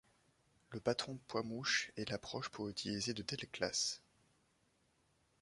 Le patron poids-mouche est l'approche pour utiliser de telles classes.